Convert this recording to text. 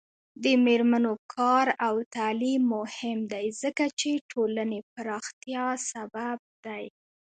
د میرمنو کار او تعلیم مهم دی ځکه چې ټولنې پراختیا سبب دی.